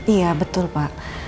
iya betul pak